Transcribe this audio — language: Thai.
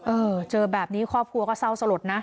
เออเจอแบบนี้ครอบครัวก็เศร้าสลดนะ